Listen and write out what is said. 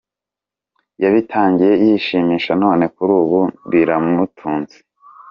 Yabitangiye yishimisha none kuri ubu biramutunze.